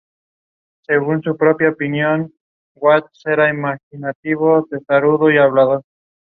Ray Menmuir directed.